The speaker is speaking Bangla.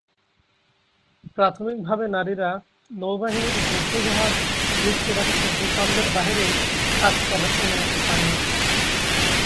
প্রাথমিক ভাবে নারীরা নৌবাহিনীর যুদ্ধ জাহাজ যুক্তরাষ্ট্র ভূখণ্ডের বাইরে কাজ করার অনুমতি পাননি।